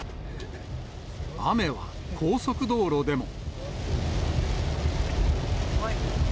雨は高速道路でも。